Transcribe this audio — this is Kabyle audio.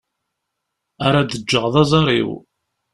Ara d-ğğeɣ d aẓar-iw.